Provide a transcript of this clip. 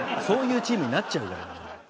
そういうチームになっちゃうからもう。